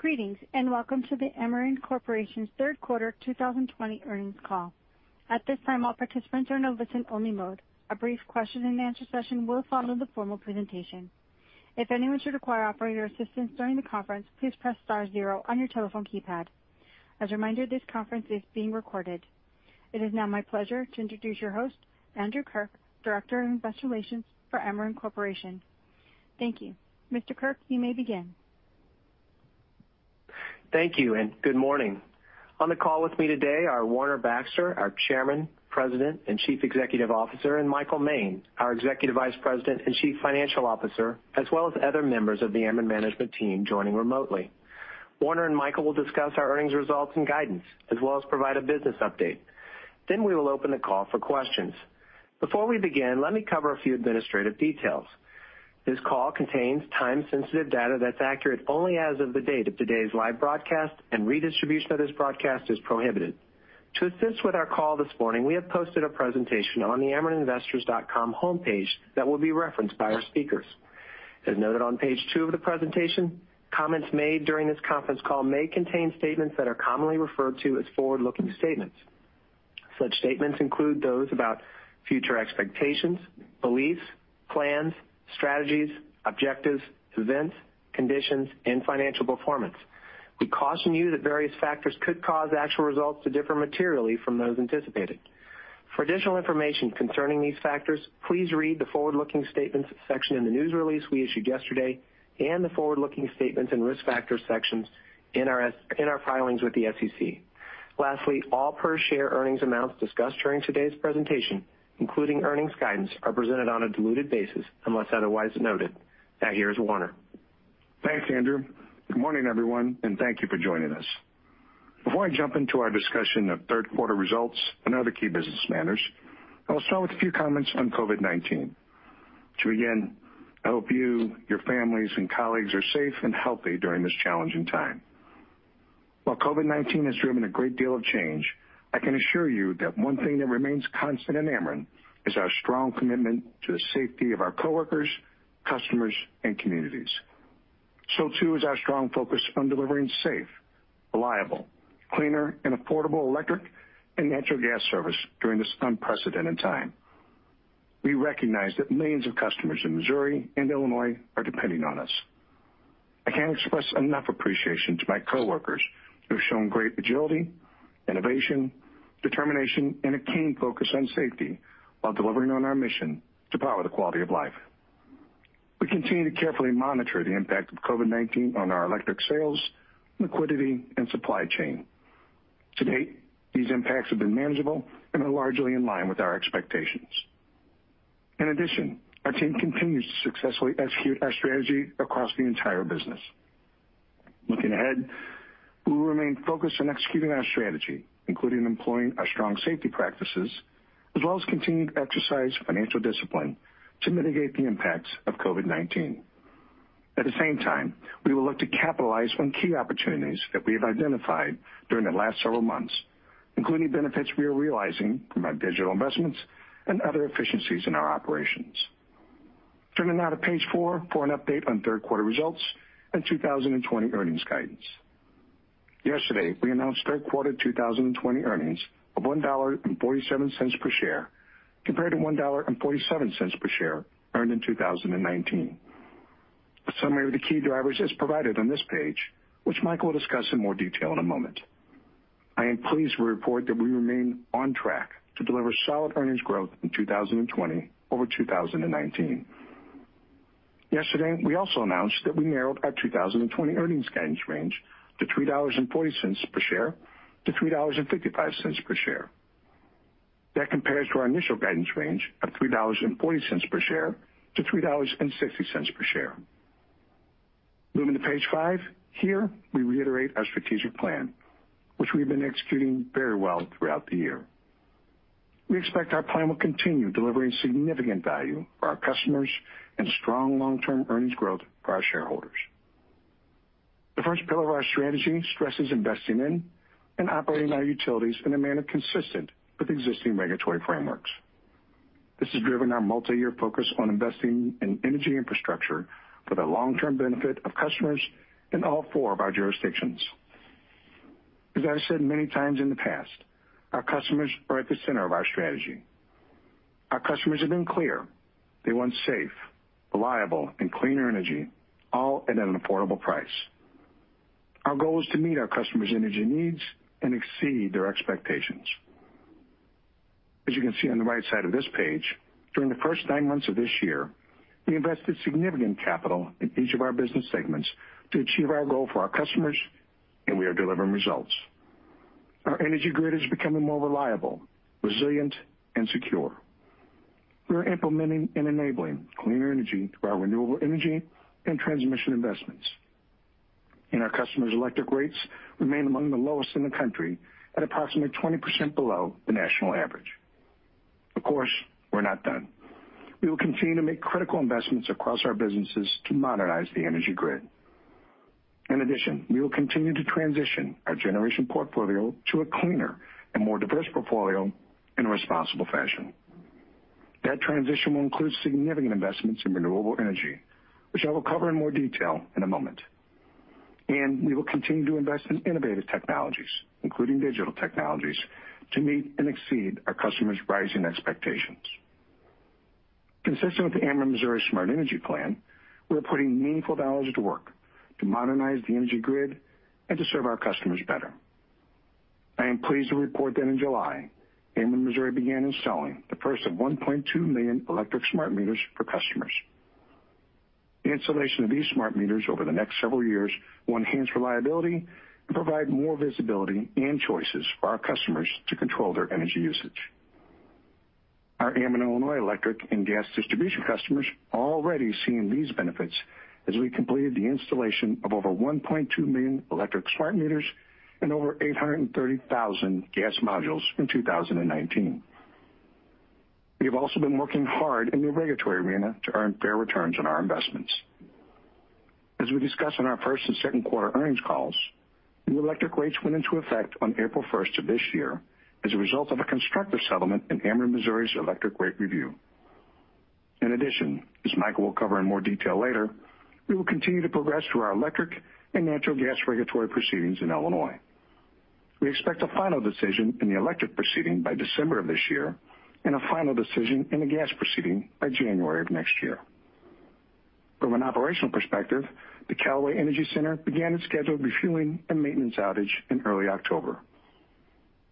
Greetings, welcome to the Ameren Corporation's third quarter 2020 earnings call. At this time, all participants are in listen-only mode. A brief question-and-answer session will follow the formal presentation. If anyone should require operator assistance during the conference, please press star zero on your telephone keypad. As a reminder, this conference is being recorded. It is now my pleasure to introduce your host, Andrew Kirk, Director of Investor Relations for Ameren Corporation. Thank you. Mr. Kirk, you may begin. Thank you, good morning. On the call with me today are Warner Baxter, our Chairman, President, and Chief Executive Officer, and Michael Moehn, our Executive Vice President and Chief Financial Officer, as well as other members of the Ameren management team joining remotely. Warner and Michael will discuss our earnings results and guidance, as well as provide a business update. We will open the call for questions. Before we begin, let me cover a few administrative details. This call contains time-sensitive data that's accurate only as of the date of today's live broadcast, and redistribution of this broadcast is prohibited. To assist with our call this morning, we have posted a presentation on the amereninvestors.com homepage that will be referenced by our speakers. As noted on page two of the presentation, comments made during this conference call may contain statements that are commonly referred to as forward-looking statements. Such statements include those about future expectations, beliefs, plans, strategies, objectives, events, conditions, and financial performance. We caution you that various factors could cause actual results to differ materially from those anticipated. For additional information concerning these factors, please read the forward-looking statements section in the news release we issued yesterday, and the forward-looking statements and risk factor sections in our filings with the SEC. Lastly, all per-share earnings amounts discussed during today's presentation, including earnings guidance, are presented on a diluted basis unless otherwise noted. Now, here's Warner. Thanks, Andrew. Good morning, everyone, and thank you for joining us. Before I jump into our discussion of third-quarter results and other key business matters, I will start with a few comments on COVID-19. To begin, I hope you, your families, and colleagues are safe and healthy during this challenging time. While COVID-19 has driven a great deal of change, I can assure you that one thing that remains constant at Ameren is our strong commitment to the safety of our coworkers, customers, and communities. Too is our strong focus on delivering safe, reliable, cleaner, and affordable electric and natural gas service during this unprecedented time. We recognize that millions of customers in Missouri and Illinois are depending on us. I can't express enough appreciation to my coworkers, who've shown great agility, innovation, determination, and a keen focus on safety while delivering on our mission to power the quality of life. We continue to carefully monitor the impact of COVID-19 on our electric sales, liquidity, and supply chain. To date, these impacts have been manageable and are largely in line with our expectations. In addition, our team continues to successfully execute our strategy across the entire business. Looking ahead, we will remain focused on executing our strategy, including employing our strong safety practices, as well as continued exercise of financial discipline to mitigate the impacts of COVID-19. At the same time, we will look to capitalize on key opportunities that we have identified during the last several months, including benefits we are realizing from our digital investments and other efficiencies in our operations. Turning now to page four for an update on third-quarter results and 2020 earnings guidance. Yesterday, we announced third-quarter 2020 earnings of $1.47 per share, compared to $1.47 per share earned in 2019. A summary of the key drivers is provided on this page, which Michael will discuss in more detail in a moment. I am pleased to report that we remain on track to deliver solid earnings growth in 2020 over 2019. Yesterday, we also announced that we narrowed our 2020 earnings guidance range to $3.40-$3.55 per share. That compares to our initial guidance range of $3.40-$3.60 per share. Moving to page five. Here, we reiterate our strategic plan, which we've been executing very well throughout the year. We expect our plan will continue delivering significant value for our customers and strong long-term earnings growth for our shareholders. The first pillar of our strategy stresses investing in and operating our utilities in a manner consistent with existing regulatory frameworks. This has driven our multi-year focus on investing in energy infrastructure for the long-term benefit of customers in all four of our jurisdictions. As I said many times in the past, our customers are at the center of our strategy. Our customers have been clear: they want safe, reliable, and cleaner energy, all at an affordable price. Our goal is to meet our customers' energy needs and exceed their expectations. As you can see on the right side of this page, during the first nine months of this year, we invested significant capital in each of our business segments to achieve our goal for our customers, and we are delivering results. Our energy grid is becoming more reliable, resilient, and secure. We are implementing and enabling cleaner energy through our renewable energy and transmission investments. Our customers' electric rates remain among the lowest in the country, at approximately 20% below the national average. Of course, we're not done. We will continue to make critical investments across our businesses to modernize the energy grid. In addition, we will continue to transition our generation portfolio to a cleaner and more diverse portfolio in a responsible fashion. That transition will include significant investments in renewable energy, which I will cover in more detail in a moment. We will continue to invest in innovative technologies, including digital technologies, to meet and exceed our customers' rising expectations. Consistent with the Ameren Missouri Smart Energy Plan, we're putting meaningful dollars to work to modernize the energy grid and to serve our customers better. I am pleased to report that in July, Ameren Missouri began installing the first of 1.2 million electric smart meters for customers. The installation of these smart meters over the next several years will enhance reliability and provide more visibility and choices for our customers to control their energy usage. Our Ameren Illinois Electric and gas distribution customers are already seeing these benefits as we completed the installation of over 1.2 million electric smart meters and over 830,000 gas modules in 2019. We have also been working hard in the regulatory arena to earn fair returns on our investments. As we discussed in our first and second quarter earnings calls, new electric rates went into effect on April 1st of this year as a result of a constructive settlement in Ameren Missouri's electric rate review. As Michael will cover in more detail later, we will continue to progress through our electric and natural gas regulatory proceedings in Illinois. We expect a final decision in the electric proceeding by December of this year and a final decision in the gas proceeding by January of next year. From an operational perspective, the Callaway Energy Center began its scheduled refueling and maintenance outage in early October.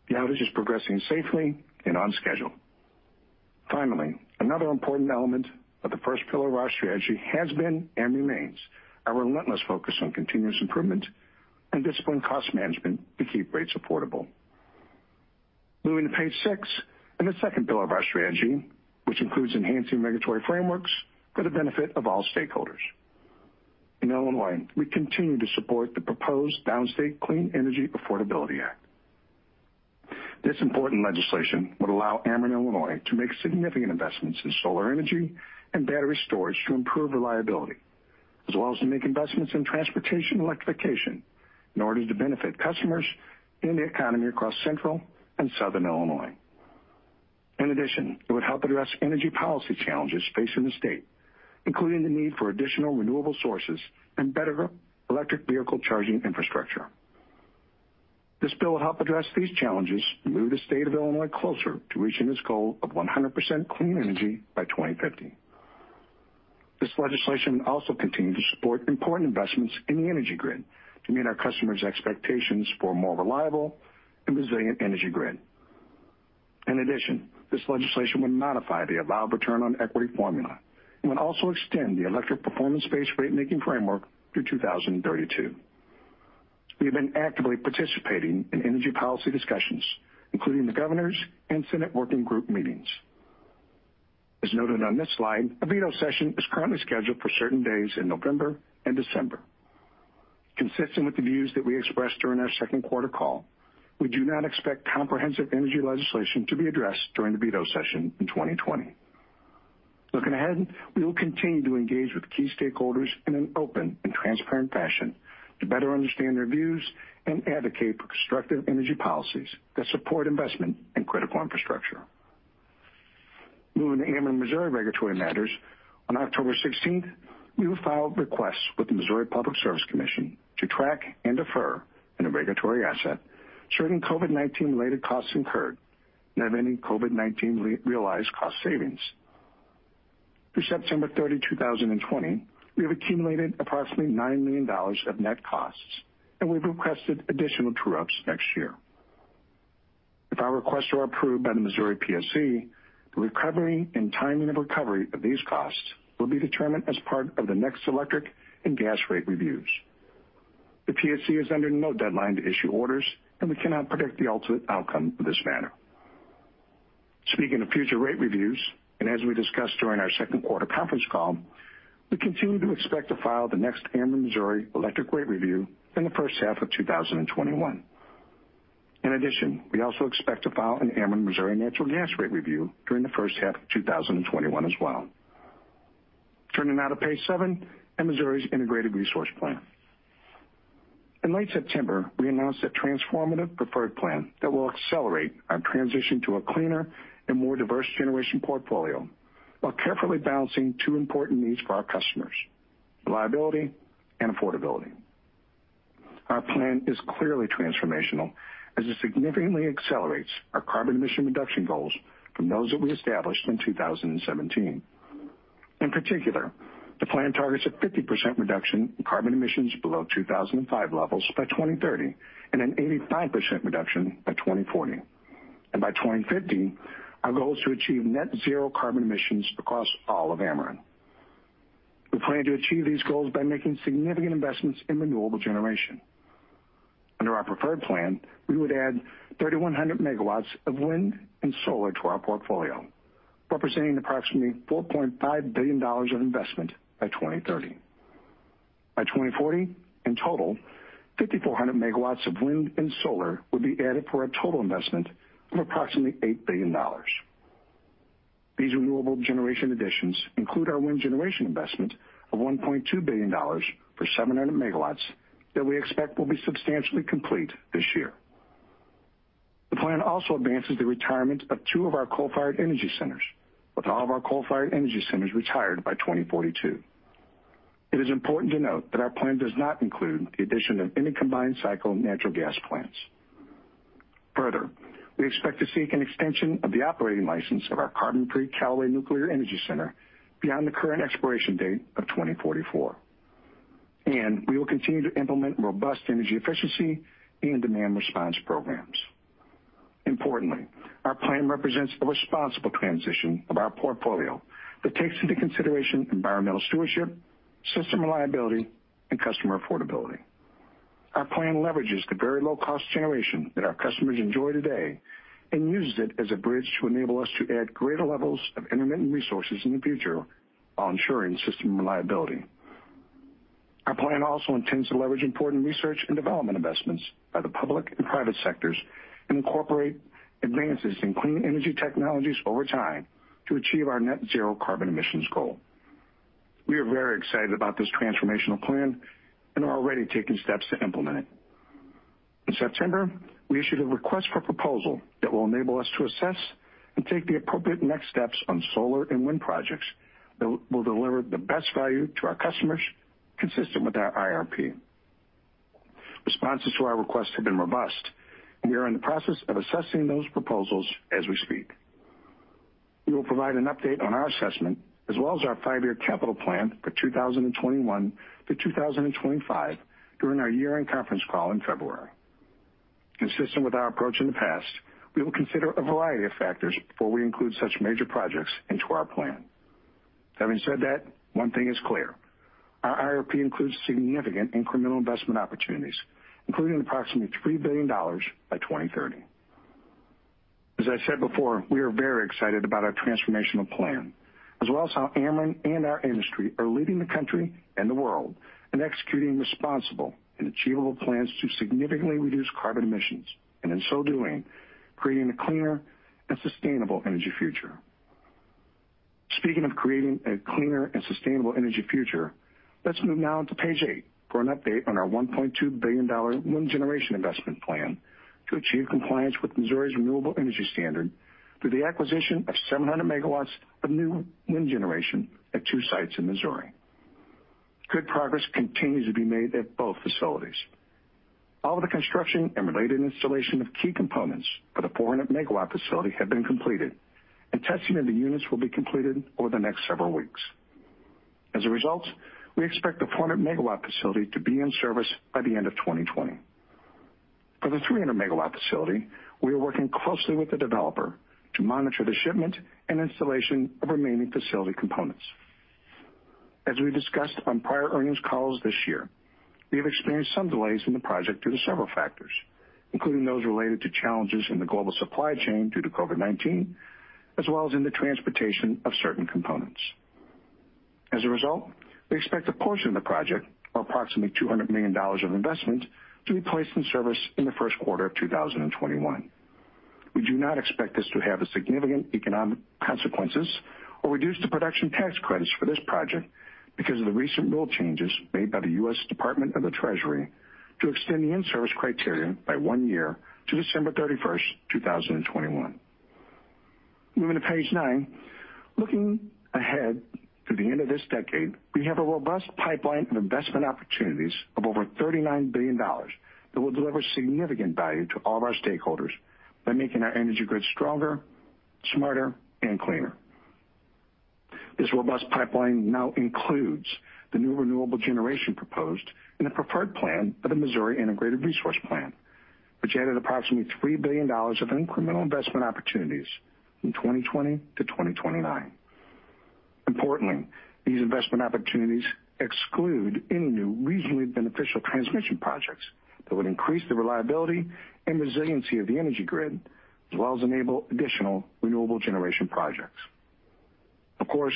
The outage is progressing safely and on schedule. Another important element of the first pillar of our strategy has been and remains our relentless focus on continuous improvement and disciplined cost management to keep rates affordable. Moving to page six and the second pillar of our strategy, which includes enhancing regulatory frameworks for the benefit of all stakeholders. In Illinois, we continue to support the proposed Downstate Clean Energy Affordability Act. This important legislation would allow Ameren Illinois to make significant investments in solar energy and battery storage to improve reliability, as well as to make investments in transportation electrification in order to benefit customers in the economy across central and southern Illinois. It would help address energy policy challenges facing the state, including the need for additional renewable sources and better electric vehicle charging infrastructure. This bill will help address these challenges and move the state of Illinois closer to reaching its goal of 100% clean energy by 2050. This legislation will also continue to support important investments in the energy grid to meet our customers' expectations for a more reliable and resilient energy grid. This legislation would modify the allowed return on equity formula and would also extend the electric performance-based ratemaking framework through 2032. We have been actively participating in energy policy discussions, including the governors and Senate working group meetings. As noted on this slide, a veto session is currently scheduled for certain days in November and December. Consistent with the views that we expressed during our second quarter call, we do not expect comprehensive energy legislation to be addressed during the veto session in 2020. Looking ahead, we will continue to engage with key stakeholders in an open and transparent fashion to better understand their views and advocate for constructive energy policies that support investment in critical infrastructure. Moving to Ameren Missouri regulatory matters, on October 16th, we will file requests with the Missouri Public Service Commission to track and defer in a regulatory asset, certain COVID-19 related costs incurred and have any COVID-19 realized cost savings. Through September 30, 2020, we have accumulated approximately $9 million of net costs, and we've requested additional true-ups next year. If our requests are approved by the Missouri PSC, the recovery and timing of recovery of these costs will be determined as part of the next electric and gas rate reviews. The PSC is under no deadline to issue orders, and we cannot predict the ultimate outcome of this matter. Speaking of future rate reviews, and as we discussed during our second quarter conference call, we continue to expect to file the next Ameren Missouri electric rate review in the first half of 2021. In addition, we also expect to file an Ameren Missouri natural gas rate review during the first half of 2021 as well. Turning now to page seven and Missouri's Integrated Resource Plan. In late September, we announced a transformative preferred plan that will accelerate our transition to a cleaner and more diverse generation portfolio while carefully balancing two important needs for our customers, reliability and affordability. Our plan is clearly transformational as it significantly accelerates our carbon emission reduction goals from those that we established in 2017. In particular, the plan targets a 50% reduction in carbon emissions below 2005 levels by 2030 and an 85% reduction by 2040. By 2050, our goal is to achieve net zero carbon emissions across all of Ameren. We plan to achieve these goals by making significant investments in renewable generation. Under our preferred plan, we would add 3,100 megawatts of wind and solar to our portfolio, representing approximately $4.5 billion of investment by 2030. By 2040, in total, 5,400 megawatts of wind and solar will be added for a total investment of approximately $8 billion. These renewable generation additions include our wind generation investment of $1.2 billion for 700 megawatts that we expect will be substantially complete this year. The plan also advances the retirement of two of our coal-fired energy centers, with all of our coal-fired energy centers retired by 2042. It is important to note that our plan does not include the addition of any combined cycle natural gas plants. Further, we expect to seek an extension of the operating license of our carbon-free Callaway Nuclear Energy Center beyond the current expiration date of 2044, and we will continue to implement robust energy efficiency and demand response programs. Importantly, our plan represents a responsible transition of our portfolio that takes into consideration environmental stewardship, system reliability, and customer affordability. Our plan leverages the very low-cost generation that our customers enjoy today and uses it as a bridge to enable us to add greater levels of intermittent resources in the future while ensuring system reliability. Our plan also intends to leverage important research and development investments by the public and private sectors and incorporate advances in clean energy technologies over time to achieve our net zero carbon emissions goal. We are very excited about this transformational plan and are already taking steps to implement it. In September, we issued a request for proposal that will enable us to assess and take the appropriate next steps on solar and wind projects that will deliver the best value to our customers consistent with our IRP. Responses to our request have been robust, and we are in the process of assessing those proposals as we speak. We will provide an update on our assessment as well as our 5-year capital plan for 2021 to 2025 during our year-end conference call in February. Consistent with our approach in the past, we will consider a variety of factors before we include such major projects into our plan. Having said that, one thing is clear, our IRP includes significant incremental investment opportunities, including approximately $3 billion by 2030. As I said before, we are very excited about our transformational plan as well as how Ameren and our industry are leading the country and the world in executing responsible and achievable plans to significantly reduce carbon emissions, and in so doing, creating a cleaner and sustainable energy future. Speaking of creating a cleaner and sustainable energy future, let's move now to page eight for an update on our $1.2 billion wind generation investment plan to achieve compliance with Missouri's Renewable Energy Standard through the acquisition of 700 megawatts of new wind generation at two sites in Missouri. Good progress continues to be made at both facilities. All of the construction and related installation of key components for the 400-megawatt facility have been completed, and testing of the units will be completed over the next several weeks. As a result, we expect the 400-megawatt facility to be in service by the end of 2020. For the 300-megawatt facility, we are working closely with the developer to monitor the shipment and installation of remaining facility components. As we discussed on prior earnings calls this year, we have experienced some delays in the project due to several factors, including those related to challenges in the global supply chain due to COVID-19, as well as in the transportation of certain components. As a result, we expect a portion of the project, or approximately $200 million of investment, to be placed in service in the first quarter of 2021. We do not expect this to have significant economic consequences or reduce the production tax credits for this project because of the recent rule changes made by the U.S. Department of the Treasury to extend the in-service criterion by one year to December 31st, 2021. Moving to page nine. Looking ahead to the end of this decade, we have a robust pipeline of investment opportunities of over $39 billion that will deliver significant value to all of our stakeholders by making our energy grid stronger, smarter, and cleaner. This robust pipeline now includes the new renewable generation proposed in the preferred plan of the Missouri Integrated Resource Plan, which added approximately $3 billion of incremental investment opportunities from 2020 to 2029. Importantly, these investment opportunities exclude any new regionally beneficial transmission projects that would increase the reliability and resiliency of the energy grid as well as enable additional renewable generation projects. Of course,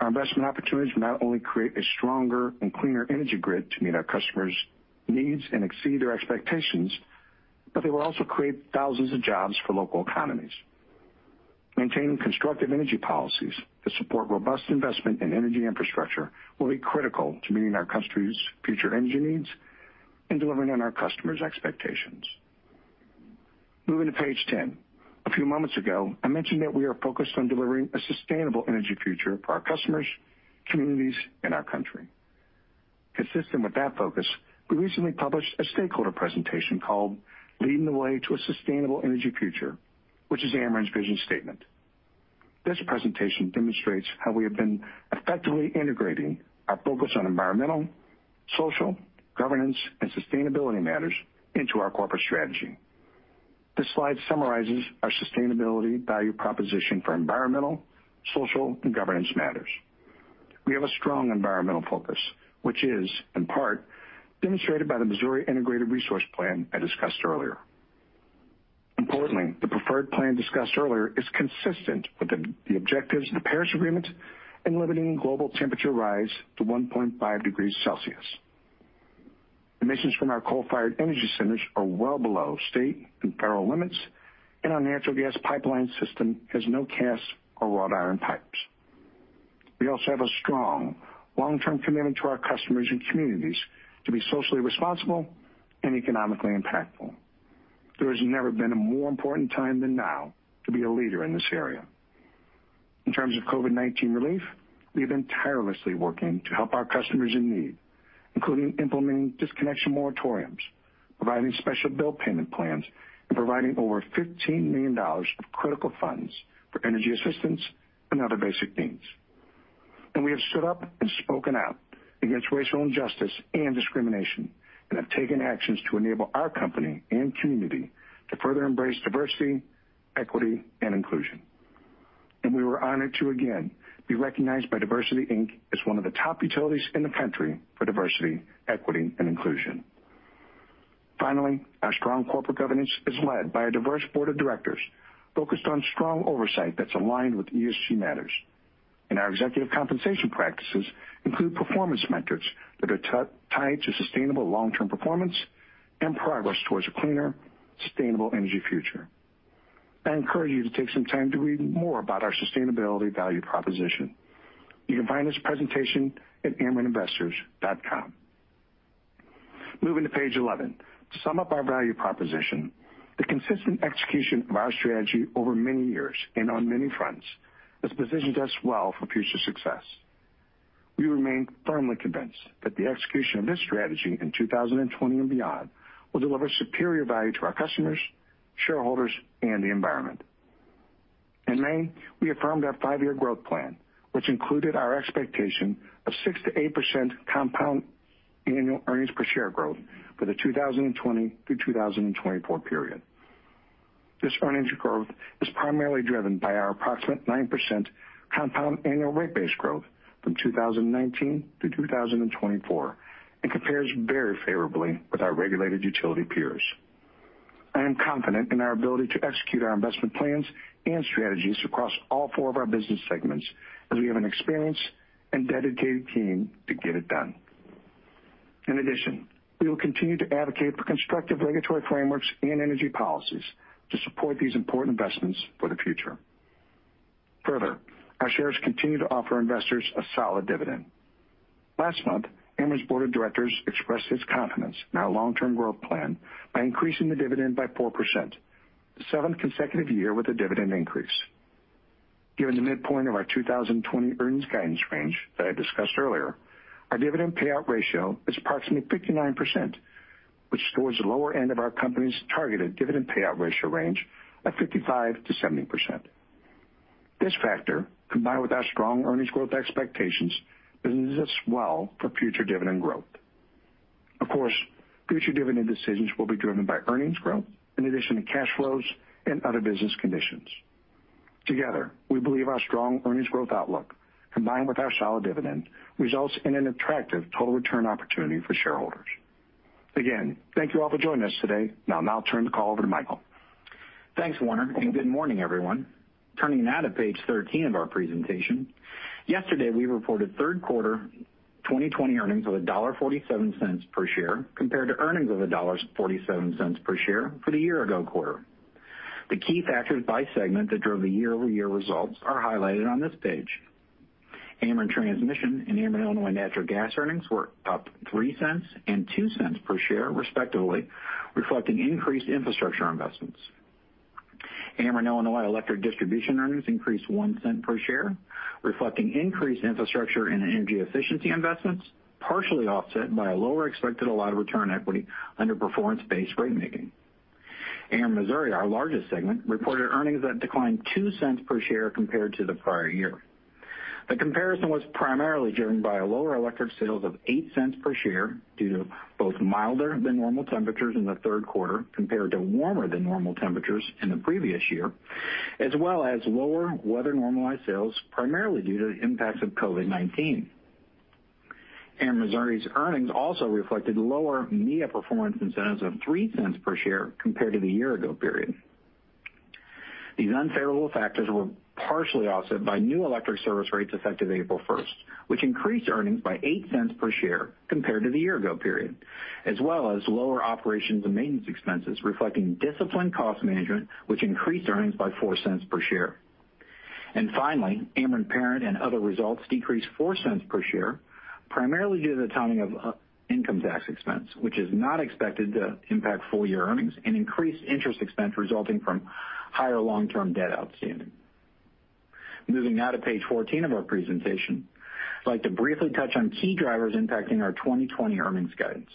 our investment opportunities will not only create a stronger and cleaner energy grid to meet our customers' needs and exceed their expectations, but they will also create thousands of jobs for local economies. Maintaining constructive energy policies that support robust investment in energy infrastructure will be critical to meeting our country's future energy needs and delivering on our customers' expectations. Moving to page 10. A few moments ago, I mentioned that we are focused on delivering a sustainable energy future for our customers, communities, and our country. Consistent with that focus, we recently published a stakeholder presentation called Leading the Way to a Sustainable Energy Future, which is Ameren's vision statement. This presentation demonstrates how we have been effectively integrating our focus on environmental, social governance, and sustainability matters into our corporate strategy. This slide summarizes our sustainability value proposition for environmental, social, and governance matters. We have a strong environmental focus, which is, in part, demonstrated by the Missouri Integrated Resource Plan I discussed earlier. Importantly, the preferred plan discussed earlier is consistent with the objectives of the Paris Agreement in limiting global temperature rise to 1.5 degrees Celsius. Emissions from our coal-fired energy centers are well below state and federal limits, and our natural gas pipeline system has no cast or wrought iron pipes. We also have a strong long-term commitment to our customers and communities to be socially responsible and economically impactful. There has never been a more important time than now to be a leader in this area. In terms of COVID-19 relief, we've been tirelessly working to help our customers in need, including implementing disconnection moratoriums, providing special bill payment plans, and providing over $15 million of critical funds for energy assistance and other basic needs. We have stood up and spoken out against racial injustice and discrimination and have taken actions to enable our company and community to further embrace diversity, equity, and inclusion. We were honored to again be recognized by DiversityInc as one of the top utilities in the country for diversity, equity, and inclusion. Finally, our strong corporate governance is led by a diverse board of directors focused on strong oversight that's aligned with ESG matters. Our executive compensation practices include performance metrics that are tied to sustainable long-term performance and progress towards a cleaner, sustainable energy future. I encourage you to take some time to read more about our sustainability value proposition. You can find this presentation at amereninvestors.com. Moving to page 11. To sum up our value proposition, the consistent execution of our strategy over many years and on many fronts has positioned us well for future success. We remain firmly convinced that the execution of this strategy in 2020 and beyond will deliver superior value to our customers, shareholders, and the environment. In May, we affirmed our five-year growth plan, which included our expectation of 6%-8% compound annual earnings per share growth for the 2020 through 2024 period. This financial growth is primarily driven by our approximate 9% compound annual rate base growth from 2019 to 2024 and compares very favorably with our regulated utility peers. I am confident in our ability to execute our investment plans and strategies across all four of our business segments, as we have an experienced and dedicated team to get it done. In addition, we will continue to advocate for constructive regulatory frameworks and energy policies to support these important investments for the future. Further, our shares continue to offer investors a solid dividend. Last month, Ameren's board of directors expressed its confidence in our long-term growth plan by increasing the dividend by 4%, the seventh consecutive year with a dividend increase. Given the midpoint of our 2020 earnings guidance range that I discussed earlier, our dividend payout ratio is approximately 59%, which towards the lower end of our company's targeted dividend payout ratio range of 55%-70%. This factor, combined with our strong earnings growth expectations, positions us well for future dividend growth. Of course, future dividend decisions will be driven by earnings growth in addition to cash flows and other business conditions. Together, we believe our strong earnings growth outlook, combined with our solid dividend, results in an attractive total return opportunity for shareholders. Again, thank you all for joining us today. I'll now turn the call over to Michael. Thanks, Warner, and good morning, everyone. Turning now to page 13 of our presentation. Yesterday, we reported third quarter 2020 earnings of $1.47 per share compared to earnings of $1.47 per share for the year-ago quarter. The key factors by segment that drove the year-over-year results are highlighted on this page. Ameren Transmission and Ameren Illinois Natural Gas earnings were up $0.03 and $0.02 per share, respectively, reflecting increased infrastructure investments. Ameren Illinois Electric Distribution earnings increased $0.01 per share, reflecting increased infrastructure and energy efficiency investments, partially offset by a lower expected allowed return equity under performance-based ratemaking. Ameren Missouri, our largest segment, reported earnings that declined $0.02 per share compared to the prior year. The comparison was primarily driven by lower electric sales of $0.08 per share due to both milder than normal temperatures in the third quarter compared to warmer than normal temperatures in the previous year, as well as lower weather-normalized sales, primarily due to the impacts of COVID-19. Ameren Missouri's earnings also reflected lower MEEIA performance incentives of $0.03 per share compared to the year-ago period. These unfavorable factors were partially offset by new electric service rates effective April 1st, which increased earnings by $0.08 per share compared to the year-ago period, as well as lower operations and maintenance expenses, reflecting disciplined cost management, which increased earnings by $0.04 per share. Finally, Ameren Parent and other results decreased $0.04 per share, primarily due to the timing of income tax expense, which is not expected to impact full-year earnings, and increased interest expense resulting from higher long-term debt outstanding. Moving now to page 14 of our presentation. I'd like to briefly touch on key drivers impacting our 2020 earnings guidance.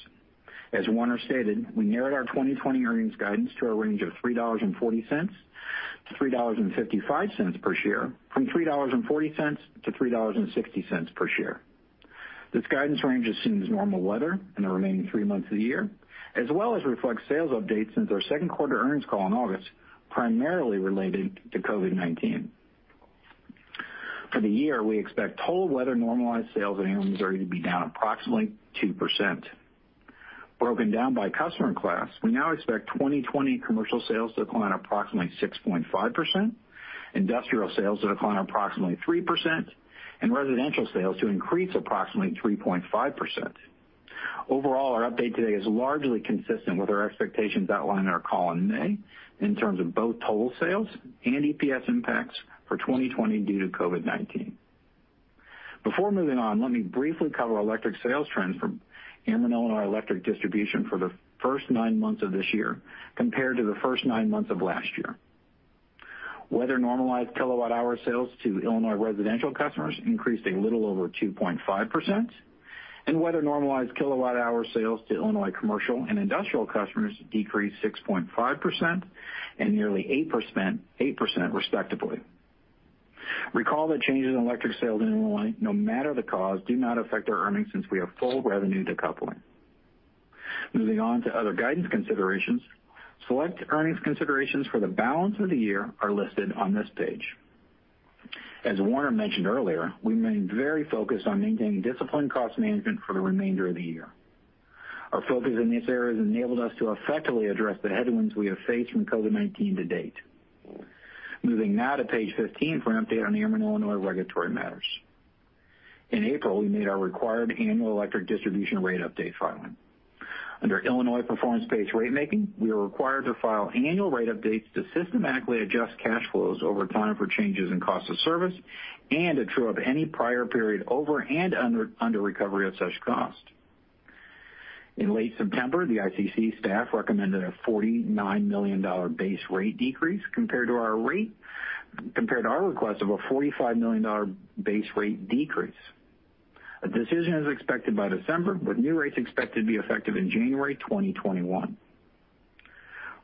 As Warner stated, we narrowed our 2020 earnings guidance to a range of $3.40-$3.55 per share from $3.40-$3.60 per share. This guidance range assumes normal weather in the remaining three months of the year, as well as reflects sales updates since our second quarter earnings call in August, primarily related to COVID-19. For the year, we expect total weather-normalized sales at Ameren Missouri to be down approximately 2%. Broken down by customer class, we now expect 2020 commercial sales to decline approximately 6.5%, industrial sales to decline approximately 3%, and residential sales to increase approximately 3.5%. Overall, our update today is largely consistent with our expectations outlined in our call in May in terms of both total sales and EPS impacts for 2020 due to COVID-19. Before moving on, let me briefly cover electric sales trends from Ameren Illinois Electric Distribution for the first nine months of this year compared to the first nine months of last year. Weather-normalized kilowatt-hour sales to Illinois residential customers increased a little over 2.5%, and weather-normalized kilowatt-hour sales to Illinois commercial and industrial customers decreased 6.5% and nearly 8%, respectively. Recall that changes in electric sales in Illinois, no matter the cause, do not affect our earnings since we have full revenue decoupling. Moving on to other guidance considerations. Select earnings considerations for the balance of the year are listed on this page. As Warner mentioned earlier, we remain very focused on maintaining disciplined cost management for the remainder of the year. Our focus in this area has enabled us to effectively address the headwinds we have faced from COVID-19 to date. Moving now to page 15 for an update on Ameren Illinois regulatory matters. In April, we made our required annual electric distribution rate update filing. Under Illinois performance-based ratemaking, we are required to file annual rate updates to systematically adjust cash flows over time for changes in cost of service and to true up any prior period over and under recovery of such cost. In late September, the ICC staff recommended a $49 million base rate decrease compared to our request of a $45 million base rate decrease. A decision is expected by December, with new rates expected to be effective in January 2021.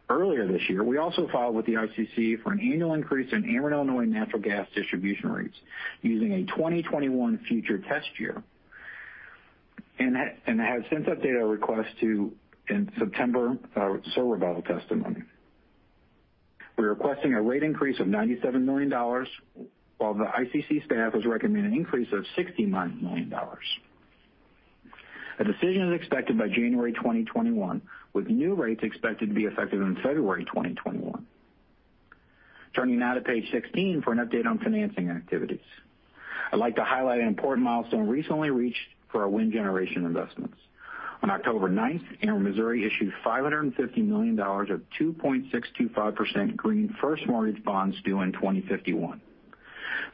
Earlier this year, we also filed with the ICC for an annual increase in Ameren Illinois Natural Gas distribution rates using a 2021 future test year and have since updated our request in September with sole rebuttal testimony. We're requesting a rate increase of $97 million, while the ICC staff has recommended an increase of $69 million. A decision is expected by January 2021, with new rates expected to be effective in February 2021. Turning now to page 16 for an update on financing activities. I'd like to highlight an important milestone recently reached for our wind generation investments. On October 9th, Ameren Missouri issued $550 million of 2.625% Green First Mortgage Bonds due in 2051.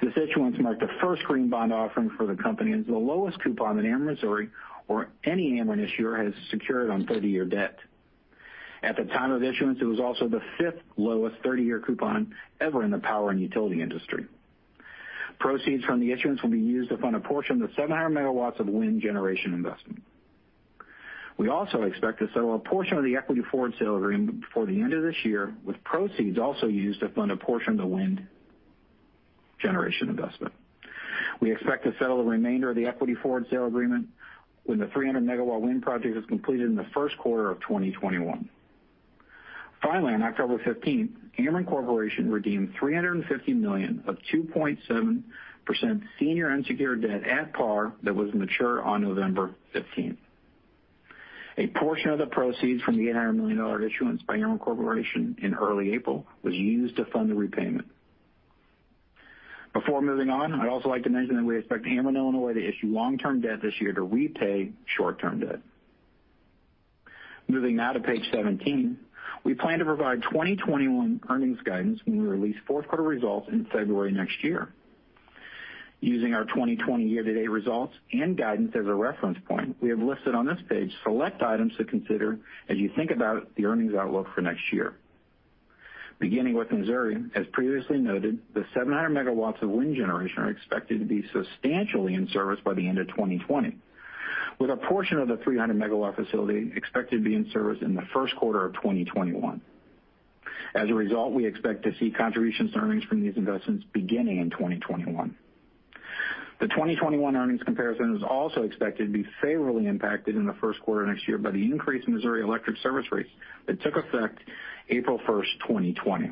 This issuance marked the first green bond offering for the company and is the lowest coupon that Ameren Missouri or any Ameren issuer has secured on 30-year debt. At the time of issuance, it was also the fifth lowest 30-year coupon ever in the power and utility industry. Proceeds from the issuance will be used to fund a portion of the 700 megawatts of wind generation investment. We also expect to settle a portion of the equity forward sale agreement before the end of this year, with proceeds also used to fund a portion of the wind generation investment. We expect to settle the remainder of the equity forward sale agreement when the 300-megawatt wind project is completed in the first quarter of 2021. Finally, on October 15th, Ameren Corporation redeemed $350 million of 2.7% senior unsecured debt at par that was mature on November 15th. A portion of the proceeds from the $800 million issuance by Ameren Corporation in early April was used to fund the repayment. Before moving on, I'd also like to mention that we expect Ameren Illinois to issue long-term debt this year to repay short-term debt. Moving now to page 17. We plan to provide 2021 earnings guidance when we release fourth quarter results in February next year. Using our 2020 year-to-date results and guidance as a reference point, we have listed on this page select items to consider as you think about the earnings outlook for next year. Beginning with Missouri, as previously noted, the 700 megawatts of wind generation are expected to be substantially in service by the end of 2020, with a portion of the 300-megawatt facility expected to be in service in the first quarter of 2021. As a result, we expect to see contributions to earnings from these investments beginning in 2021. The 2021 earnings comparison is also expected to be favorably impacted in the first quarter next year by the increase in Ameren Missouri electric service rates that took effect April 1st, 2020.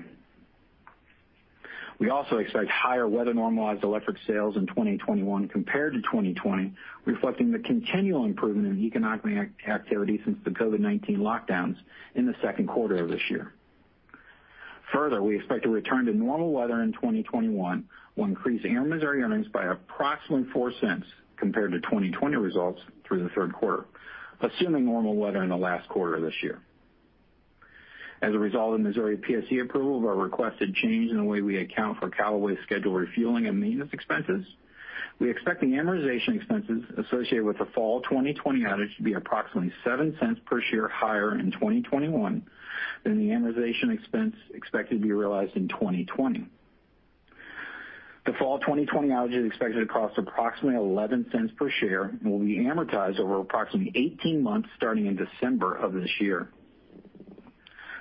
We also expect higher weather-normalized electric sales in 2021 compared to 2020, reflecting the continual improvement in economic activity since the COVID-19 lockdowns in the second quarter of this year. Further, we expect a return to normal weather in 2021 will increase Ameren Missouri earnings by approximately $0.04 compared to 2020 results through the third quarter, assuming normal weather in the last quarter of this year. As a result of the Missouri PSC approval of our requested change in the way we account for Callaway scheduled refueling and maintenance expenses, we expect the amortization expenses associated with the fall 2020 outage to be approximately $0.07 per share higher in 2021 than the amortization expense expected to be realized in 2020. The fall 2020 outage is expected to cost approximately $0.11 per share and will be amortized over approximately 18 months starting in December of this year.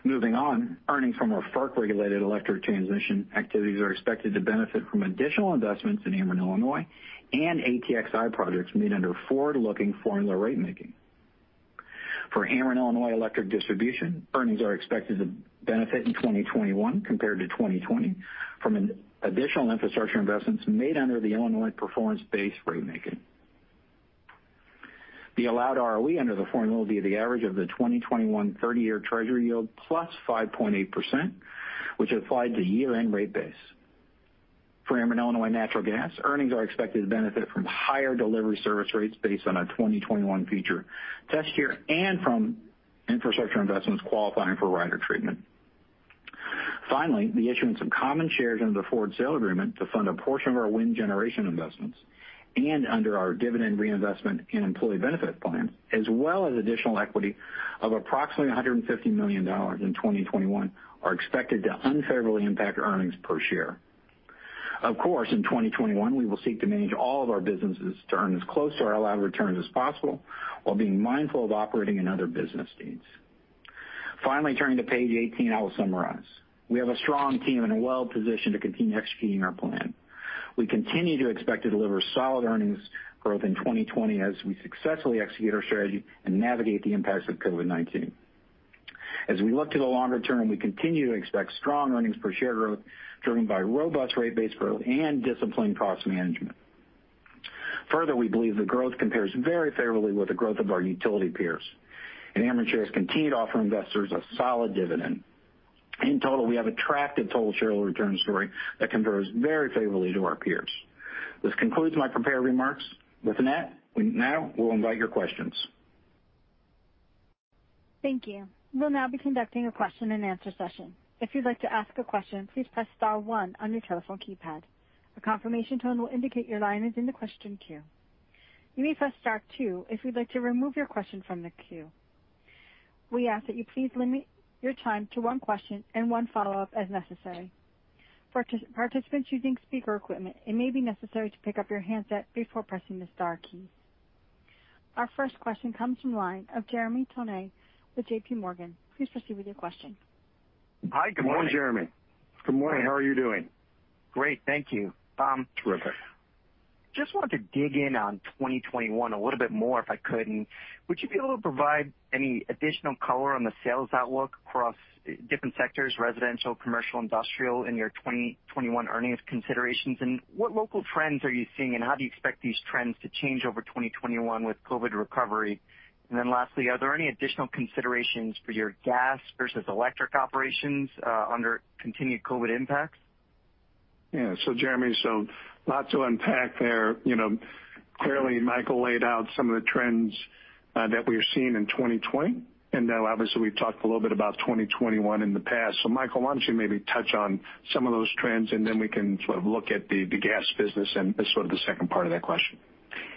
Moving on. Earnings from our FERC-regulated electric transmission activities are expected to benefit from additional investments in Ameren Illinois and ATXI projects made under forward-looking formula ratemaking. For Ameren Illinois Electric Distribution, earnings are expected to benefit in 2021 compared to 2020 from additional infrastructure investments made under the Illinois performance-based ratemaking. The allowed ROE under the formula will be the average of the 2021 30-year Treasury yield plus 5.8%, which applied to year-end rate base. For Ameren Illinois Natural Gas, earnings are expected to benefit from higher delivery service rates based on our 2021 future test year and from infrastructure investments qualifying for rider treatment. The issuance of common shares under the forward sale agreement to fund a portion of our wind generation investments and under our dividend reinvestment and employee benefit plans, as well as additional equity of approximately $150 million in 2021, are expected to unfavorably impact earnings per share. Of course, in 2021, we will seek to manage all of our businesses to earn as close to our allowed returns as possible, while being mindful of operating and other business needs. Turning to page 18, I will summarize. We have a strong team and are well-positioned to continue executing our plan. We continue to expect to deliver solid earnings growth in 2020 as we successfully execute our strategy and navigate the impacts of COVID-19. As we look to the longer term, we continue to expect strong earnings per share growth driven by robust rate base growth and disciplined cost management. Further, we believe the growth compares very favorably with the growth of our utility peers, and Ameren shares continue to offer investors a solid dividend. In total, we have attractive total shareholder return story that compares very favorably to our peers. This concludes my prepared remarks. With that, we now will invite your questions. Thank you. We'll now be conducting a question-and-answer session. If you'd like to ask a question, please press star one on your telephone keypad. A confirmation tone will indicate your line is in the question queue. You may press star two if you'd like to remove your question from the queue. We ask that you please limit your time to one question and one follow-up as necessary. For participants using speaker equipment, it may be necessary to pick up your handset before pressing the star key. Our first question comes from the line of Jeremy Tonet with JPMorgan. Please proceed with your question. Hi, good morning. Good morning, Jeremy. Good morning. How are you doing? Great. Thank you. Terrific. Just wanted to dig in on 2021 a little bit more, if I could. Would you be able to provide any additional color on the sales outlook across different sectors, residential, commercial, industrial, in your 2021 earnings considerations? What local trends are you seeing, and how do you expect these trends to change over 2021 with COVID-19 recovery? Lastly, are there any additional considerations for your gas versus electric operations under continued COVID-19 impacts? Jeremy, lots to unpack there. Clearly, Michael laid out some of the trends that we are seeing in 2020, and now obviously we've talked a little bit about 2021 in the past. Michael, why don't you maybe touch on some of those trends, and then we can sort of look at the gas business and sort of the second part of that question.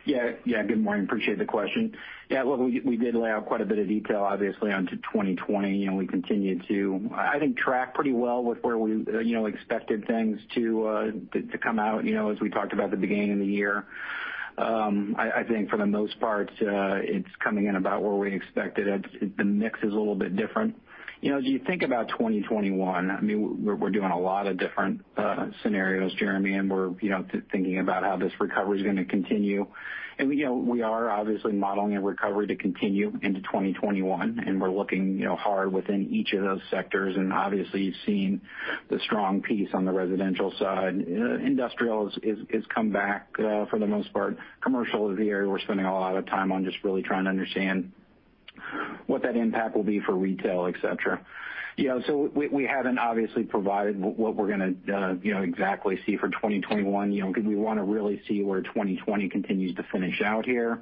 Yeah. Good morning. Appreciate the question. Yeah. Well, we did lay out quite a bit of detail, obviously, on to 2020, and we continued to, I think, track pretty well with where we expected things to come out as we talked about the beginning of the year. I think for the most part, it's coming in about where we expected it. The mix is a little bit different. As you think about 2021, we're doing a lot of different scenarios, Jeremy, and we're thinking about how this recovery is going to continue. We are obviously modeling a recovery to continue into 2021, and we're looking hard within each of those sectors. Obviously, you've seen the strong piece on the residential side. Industrial has come back for the most part. Commercial is the area we're spending a lot of time on, just really trying to understand what that impact will be for retail, et cetera. We haven't obviously provided what we're going to exactly see for 2021 because we want to really see where 2020 continues to finish out here,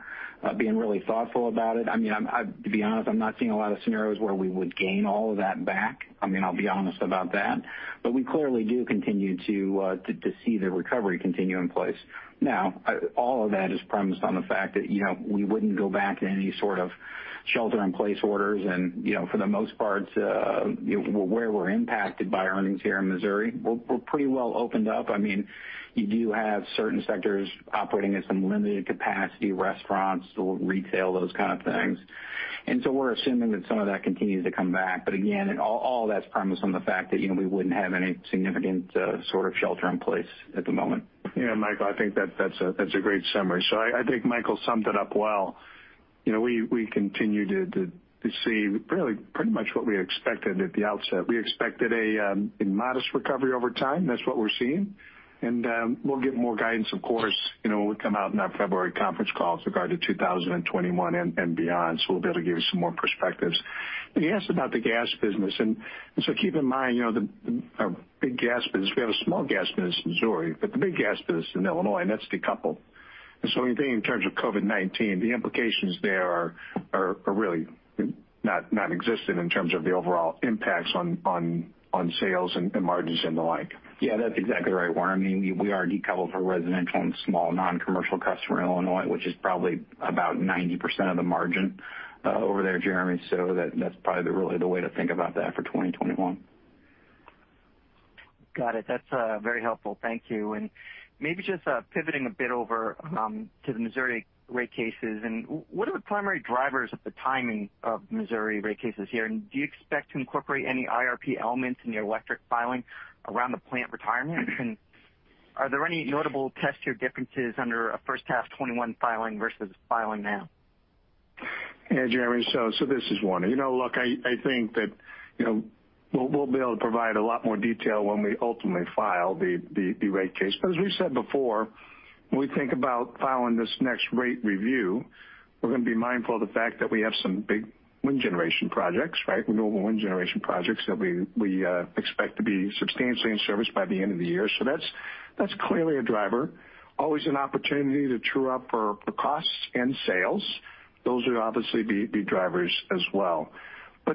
being really thoughtful about it. To be honest, I'm not seeing a lot of scenarios where we would gain all of that back. I'll be honest about that. We clearly do continue to see the recovery continue in place. All of that is premised on the fact that we wouldn't go back to any sort of shelter-in-place orders, and for the most part, where we're impacted by earnings here in Missouri, we're pretty well opened up. You do have certain sectors operating at some limited capacity, restaurants or retail, those kind of things. We're assuming that some of that continues to come back. Again, all that's premised on the fact that we wouldn't have any significant sort of shelter in place at the moment. Yeah, Michael, I think that's a great summary. I think Michael summed it up well. We continue to see pretty much what we expected at the outset. We expected a modest recovery over time. That's what we're seeing. We'll get more guidance, of course, when we come out in our February conference call with regard to 2021 and beyond, so we'll be able to give you some more perspectives. You asked about the gas business, keep in mind, our big gas business, we have a small gas business in Missouri, but the big gas business in Illinois, and that's decoupled. When you think in terms of COVID-19, the implications there are really non-existent in terms of the overall impacts on sales and margins and the like. Yeah, that's exactly right, Warner. We are decoupled from residential and small non-commercial customers in Illinois, which is probably about 90% of the margin over there, Jeremy. That's probably really the way to think about that for 2021. Got it. That's very helpful. Thank you. Maybe just pivoting a bit over to the Missouri rate cases. What are the primary drivers of the timing of Missouri rate cases here? Do you expect to incorporate any IRP elements in your electric filing around the plant retirements? Are there any notable test year differences under a first half 2021 filing versus filing now? Yeah, Jeremy. This is Warner. Look, I think that we'll be able to provide a lot more detail when we ultimately file the rate case. As we've said before. When we think about filing this next rate review, we're going to be mindful of the fact that we have some big wind generation projects. Renewable wind generation projects that we expect to be substantially in service by the end of the year. That's clearly a driver. Always an opportunity to true up for costs and sales. Those would obviously be drivers as well.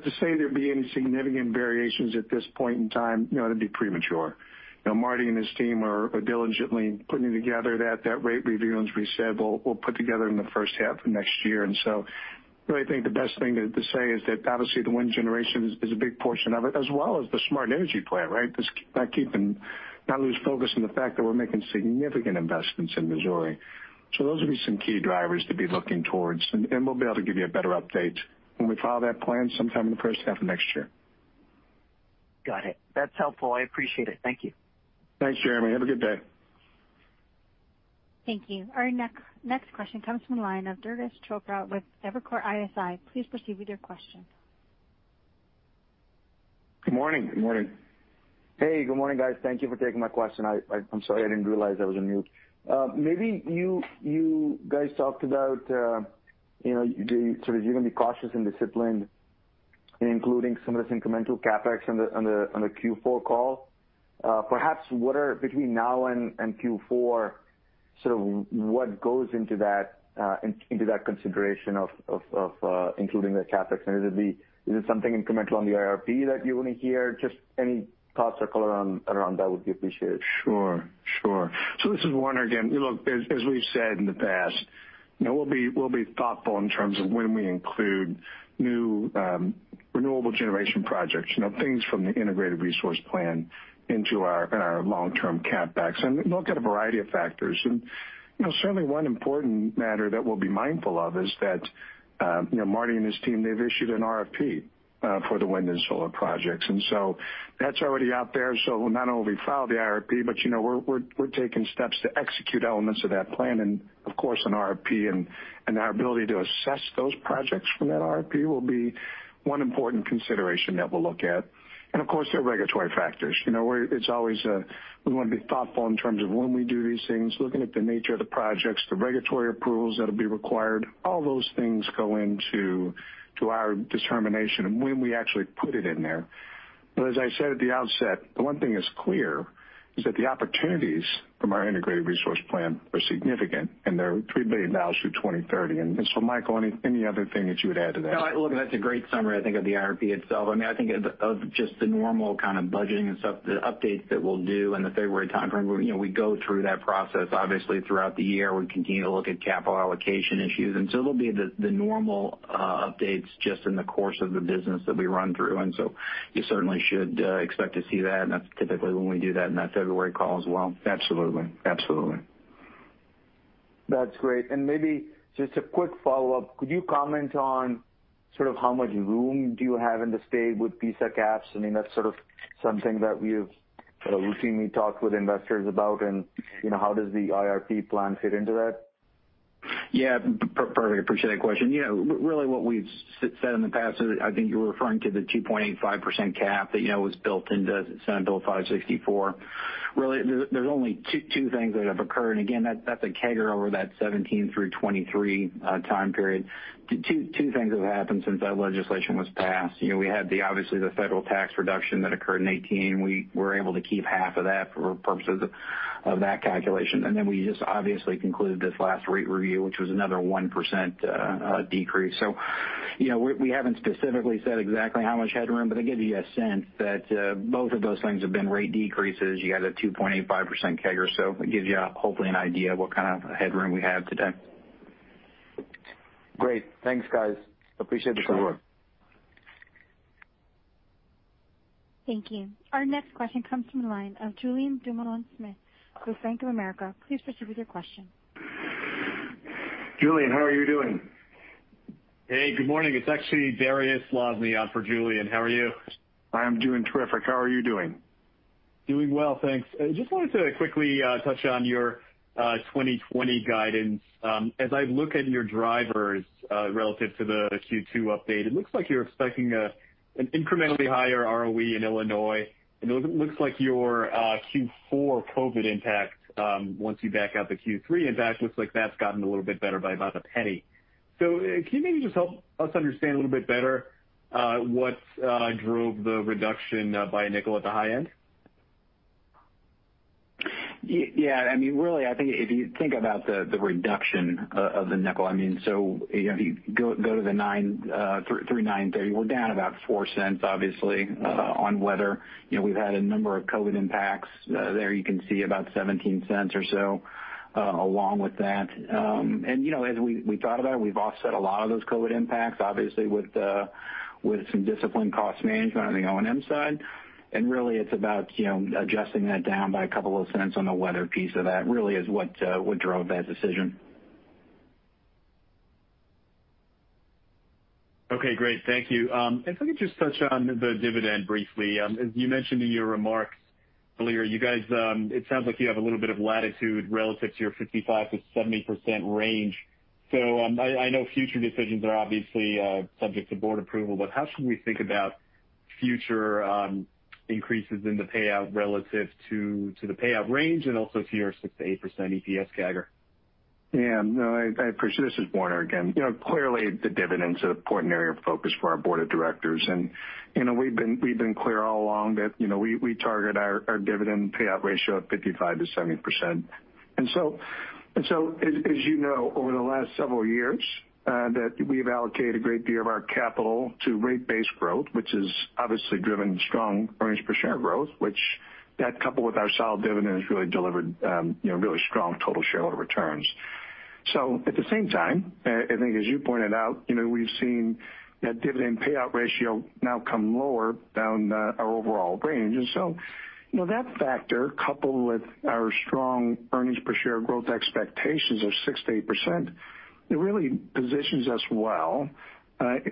To say there'd be any significant variations at this point in time, that'd be premature. Martin and his team are diligently putting together that rate review, and as we said, we'll put together in the first half of next year. Really, I think the best thing to say is that obviously the wind generation is a big portion of it, as well as the Smart Energy Plan. Not lose focus on the fact that we're making significant investments in Missouri. Those would be some key drivers to be looking towards, and we'll be able to give you a better update when we file that plan sometime in the first half of next year. Got it. That's helpful. I appreciate it. Thank you. Thanks, Jeremy. Have a good day. Thank you. Our next question comes from the line of Dhruvil Chokshi with Evercore ISI. Please proceed with your question. Good morning. Good morning. Good morning, guys. Thank you for taking my question. I'm sorry, I didn't realize I was on mute. You guys talked about sort of you're going to be cautious and disciplined in including some of this incremental CapEx on the Q4 call. Between now and Q4, sort of what goes into that consideration of including the CapEx? Is it something incremental on the IRP that you want to hear? Just any thoughts or color around that would be appreciated. Sure. This is Warner again. Look, as we've said in the past, we'll be thoughtful in terms of when we include new renewable generation projects, things from the Integrated Resource Plan in our long-term CapEx. Look at a variety of factors. Certainly one important matter that we'll be mindful of is that Martin and his team, they've issued an RFP for the wind and solar projects, that's already out there. We'll not only file the IRP, but we're taking steps to execute elements of that plan and, of course, an RFP. Our ability to assess those projects from that RFP will be one important consideration that we'll look at. Of course, there are regulatory factors. We want to be thoughtful in terms of when we do these things, looking at the nature of the projects, the regulatory approvals that'll be required. All those things go into our determination and when we actually put it in there. As I said at the outset, the one thing that's clear is that the opportunities from our Integrated Resource Plan are significant, and they're $3 billion through 2030. Michael, any other thing that you would add to that? Look, that's a great summary, I think, of the IRP itself. I think of just the normal kind of budgeting and stuff, the updates that we'll do in the February timeframe. We go through that process, obviously, throughout the year. We continue to look at capital allocation issues. It'll be the normal updates just in the course of the business that we run through. You certainly should expect to see that, and that's typically when we do that, in that February call as well. Absolutely. That's great. Maybe just a quick follow-up, could you comment on sort of how much room do you have in the state with PISA caps? That's sort of something that we've routinely talked with investors about, and how does the IRP plan fit into that? Yeah. Perfect. Appreciate that question. What we've said in the past is, I think you were referring to the 2.85% cap that was built into Senate Bill 564. There's only two things that have occurred, and again, that's a CAGR over that 2017-2023 time period. Two things have happened since that legislation was passed. We had, obviously, the federal tax reduction that occurred in 2018. We were able to keep half of that for purposes of that calculation. We just obviously concluded this last rate review, which was another 1% decrease. We haven't specifically said exactly how much headroom, but to give you a sense that both of those things have been rate decreases. You got a 2.85% CAGR, it gives you hopefully an idea what kind of headroom we have today. Great. Thanks, guys. Appreciate the support. Sure. Thank you. Our next question comes from the line of Julien Dumoulin-Smith with Bank of America. Please proceed with your question. Julien, how are you doing? Hey, good morning. It's actually Dariusz Lozny for Julien. How are you? I am doing terrific. How are you doing? Doing well, thanks. Wanted to quickly touch on your 2020 guidance. I look at your drivers relative to the Q2 update, it looks like you're expecting an incrementally higher ROE in Illinois. It looks like your Q4 COVID impact, once you back out the Q3 impact, looks like that's gotten a little bit better by about $0.01. Can you maybe just help us understand a little bit better what drove the reduction by $0.05 at the high end? Yeah. Really, I think if you think about the reduction of $0.05, so if you go through 9/30, we're down about $0.04 obviously on weather. We've had a number of COVID impacts there. You can see about $0.17 or so along with that. As we thought about it, we've offset a lot of those COVID impacts, obviously, with some disciplined cost management on the O&M side. Really it's about adjusting that down by $0.02 on the weather piece of that really is what drove that decision. Okay, great. Thank you. If I could just touch on the dividend briefly. As you mentioned in your remarks earlier, it sounds like you have a little bit of latitude relative to your 55%-70% range. I know future decisions are obviously subject to board approval, but how should we think about future increases in the payout relative to the payout range, and also to your 6%-8% EPS CAGR? Yeah, no, I appreciate it. This is Warner again. Clearly, the dividend's an important area of focus for our board of directors, and we've been clear all along that we target our dividend payout ratio of 55% to 70%. As you know, over the last several years, that we've allocated a great deal of our capital to rate base growth, which has obviously driven strong EPS growth, which that, coupled with our solid dividend, has delivered really strong total shareholder returns. At the same time, I think as you pointed out, we've seen that dividend payout ratio now come lower down our overall range. That factor, coupled with our strong EPS growth expectations of 6% to 8%, it really positions us well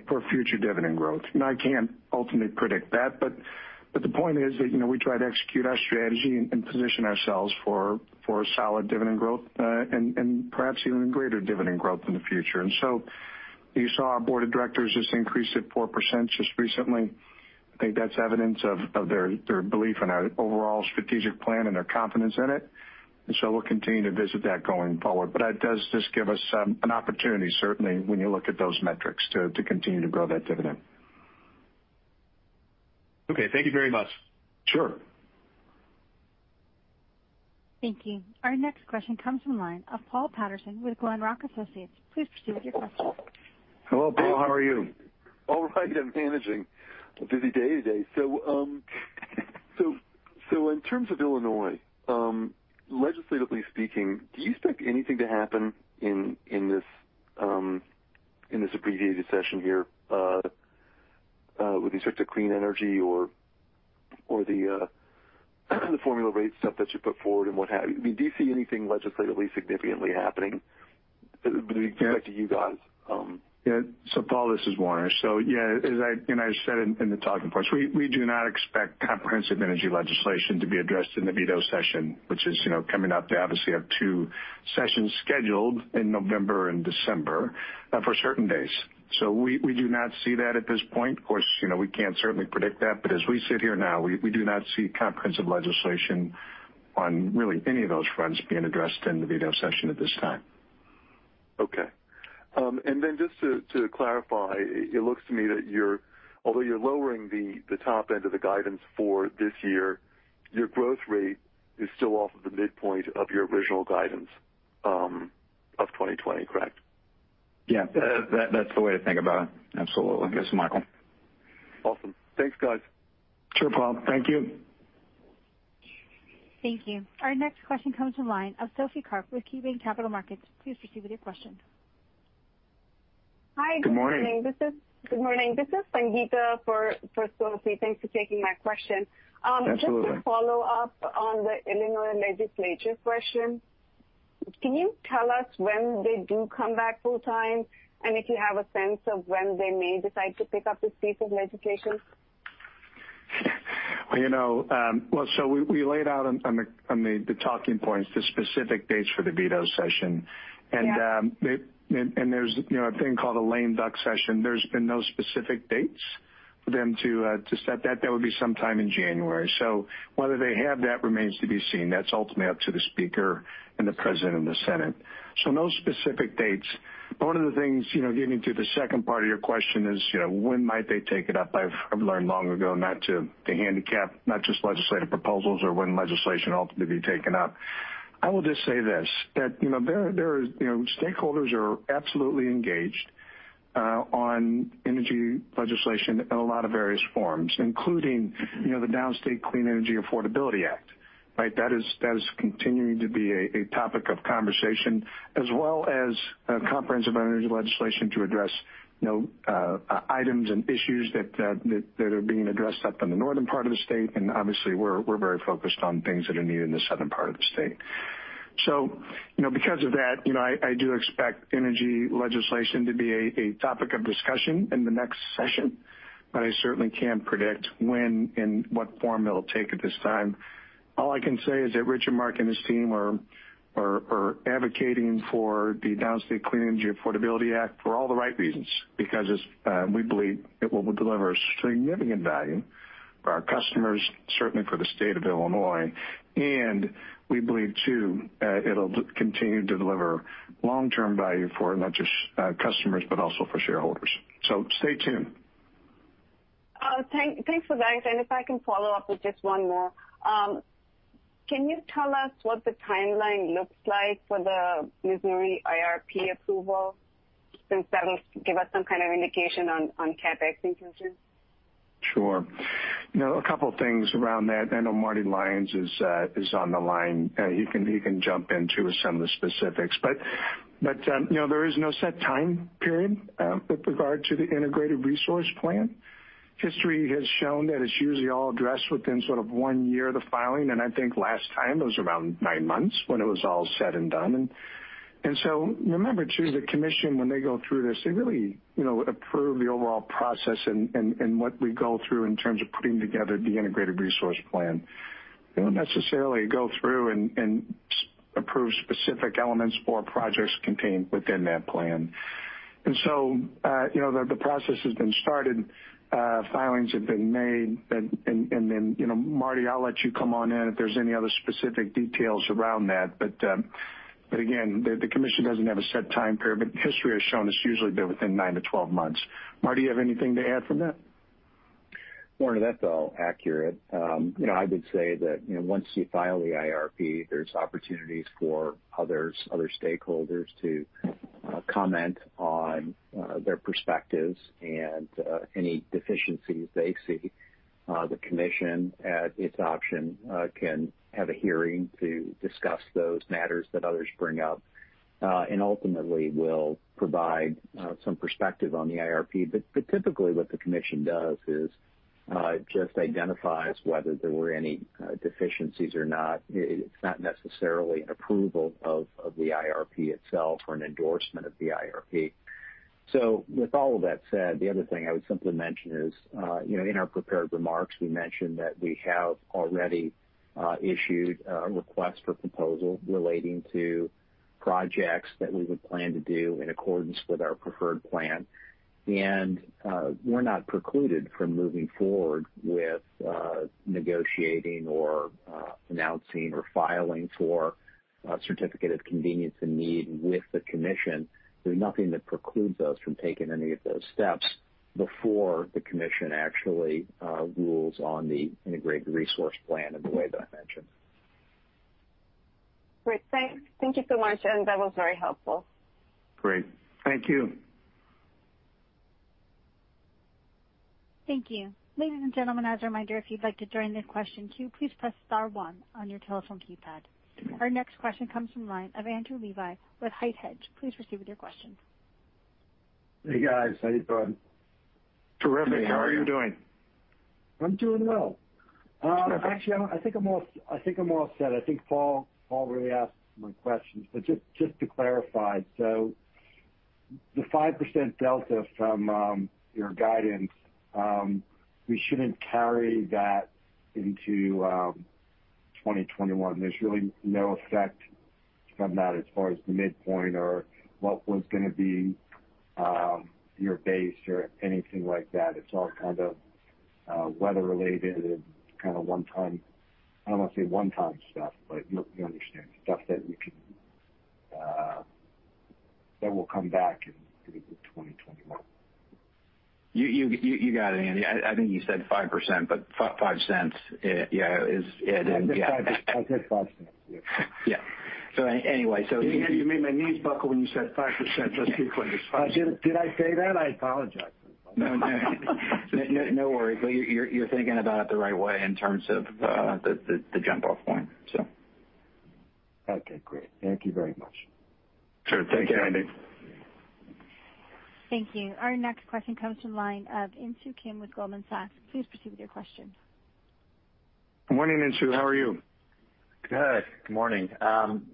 for future dividend growth. I can't ultimately predict that, but the point is that we try to execute our strategy and position ourselves for a solid dividend growth, and perhaps even greater dividend growth in the future. You saw our board of directors just increase it 4% just recently. I think that's evidence of their belief in our overall strategic plan and their confidence in it. We'll continue to visit that going forward. That does just give us an opportunity, certainly, when you look at those metrics, to continue to grow that dividend. Okay, thank you very much. Sure. Thank you. Our next question comes from the line of Paul Patterson with Glenrock Associates. Please proceed with your question. Hello, Paul, how are you? All right, I'm managing. A busy day today. In terms of Illinois, legislatively speaking, do you expect anything to happen in this abbreviated session here with respect to clean energy or the formula rate stuff that you put forward and what have you? Do you see anything legislatively significantly happening with respect to you guys? Paul, this is Warner. As I said in the talking points, we do not expect comprehensive energy legislation to be addressed in the veto session, which is coming up. They obviously have two sessions scheduled in November and December for certain days. We do not see that at this point. Of course, we can't certainly predict that, as we sit here now, we do not see comprehensive legislation on really any of those fronts being addressed in the veto session at this time. Okay. Just to clarify, it looks to me that although you're lowering the top end of the guidance for this year, your growth rate is still off of the midpoint of your original guidance of 2020, correct? Yeah. That's the way to think about it. Absolutely. This is Michael. Awesome. Thanks, guys. Sure, Paul. Thank you. Thank you. Our next question comes from the line of Sophie Karp with KeyBanc Capital Markets. Please proceed with your question. Hi, good morning. Good morning. Good morning. This is Sangita for Sophie. Thanks for taking my question. Absolutely. Just to follow up on the Illinois legislature question, can you tell us when they do come back full time, and if you have a sense of when they may decide to pick up this piece of legislation? Well, we laid out on the talking points, the specific dates for the veto session. Yeah. There's a thing called a lame duck session. There's been no specific dates for them to set that. That would be sometime in January. Whether they have that remains to be seen. That's ultimately up to the speaker and the president of the Senate. No specific dates. One of the things, getting to the second part of your question is, when might they take it up? I've learned long ago not to handicap, not just legislative proposals or when legislation will ultimately be taken up. I will just say this, that stakeholders are absolutely engaged on energy legislation in a lot of various forms, including the Downstate Clean Energy Affordability Act, right? That is continuing to be a topic of conversation, as well as comprehensive energy legislation to address items and issues that are being addressed up in the northern part of the state. Obviously, we're very focused on things that are needed in the southern part of the state. Because of that, I do expect energy legislation to be a topic of discussion in the next session, but I certainly can't predict when and what form it'll take at this time. All I can say is that Rich and Mark and his team are advocating for the Downstate Clean Energy Affordability Act for all the right reasons, because we believe it will deliver significant value for our customers, certainly for the state of Illinois. We believe, too, it'll continue to deliver long-term value for not just customers, but also for shareholders. Stay tuned. Thanks for that. If I can follow up with just one more. Can you tell us what the timeline looks like for the Missouri IRP approval, since that will give us some kind of indication on CapEx increases? Sure. A couple of things around that. I know Martin Lyons is on the line. He can jump in, too, with some of the specifics. There is no set time period with regard to the Missouri Integrated Resource Plan. History has shown that it's usually all addressed within sort of one year of the filing, and I think last time it was around nine months when it was all said and done. Remember, too, the commission, when they go through this, they really approve the overall process and what we go through in terms of putting together the Missouri Integrated Resource Plan. They don't necessarily go through and approve specific elements for projects contained within that plan. The process has been started, filings have been made. Martin, I'll let you come on in if there's any other specific details around that. Again, the commission doesn't have a set time period, but history has shown it's usually been within nine to 12 months. Martin, you have anything to add from that? Warner, that's all accurate. I would say that, once you file the IRP, there's opportunities for other stakeholders to comment on their perspectives and any deficiencies they see. The commission, at its option, can have a hearing to discuss those matters that others bring up, and ultimately will provide some perspective on the IRP. Typically, what the commission does is just identifies whether there were any deficiencies or not. It's not necessarily an approval of the IRP itself or an endorsement of the IRP. With all of that said, the other thing I would simply mention is, in our prepared remarks, we mentioned that we have already issued a request for proposal relating to projects that we would plan to do in accordance with our preferred plan. We're not precluded from moving forward with negotiating or announcing or filing for a certificate of convenience and necessity with the commission. There's nothing that precludes us from taking any of those steps before the commission actually rules on the Integrated Resource Plan in the way that I mentioned. Great. Thanks. Thank you so much. That was very helpful. Great. Thank you. Thank you. Ladies and gentlemen, as a reminder, if you'd like to join the question queue, please press star one on your telephone keypad. Our next question comes from the line of Andrew Levi with HITE Hedge. Please proceed with your question. Hey, guys, how you doing? Terrific. How are you doing? I'm doing well. Actually, I think I'm all set. I think Paul already asked my question. Just to clarify, the 5% delta from your guidance, we shouldn't carry that into 2021. There's really no effect from that as far as the midpoint or what was going to be your base or anything like that. It's all kind of weather related and kind of one time. I don't want to say one time stuff, you understand, stuff that will come back in 2021. You got it, Andy. I think you said 5%, but $0.05, yeah. I said $0.05, yeah. Yeah. Anyway. You made my knees buckle when you said 5%. Let's be clear, it's $0.05. Did I say that? I apologize. No worry. You're thinking about it the right way in terms of the jump off point. Okay, great. Thank you very much. Sure. Thanks, Andy. Thank you. Our next question comes from the line of Insoo Kim with Goldman Sachs. Please proceed with your question. Morning, Insoo. How are you? Good morning.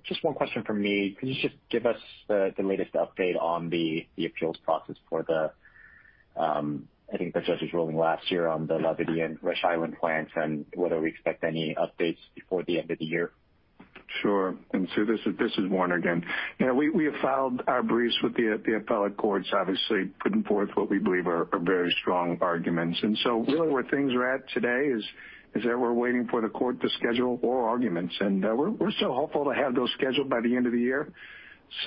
Just one question from me. Could you just give us the latest update on the appeals process for the, I think the judge's ruling last year on the Labadie and Rush Island plants, and whether we expect any updates before the end of the year? Sure. Insoo, this is Warner again. We have filed our briefs with the appellate courts, obviously putting forth what we believe are very strong arguments. Really where things are at today is that we're waiting for the court to schedule oral arguments. We're still hopeful to have those scheduled by the end of the year. It's